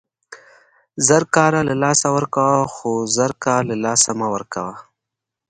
زر کاره له لاسه ورکوه، خو زرکه له له لاسه مه ورکوه!